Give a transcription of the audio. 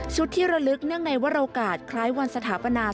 ที่ระลึกเนื่องในวรโอกาสคล้ายวันสถาปนา